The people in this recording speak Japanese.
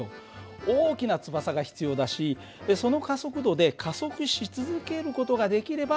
大きな翼が必要だしその加速度で加速し続ける事ができればっていう事なんだよね。